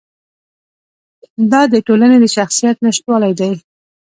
دا د ټولنې د شخصیت نشتوالی دی.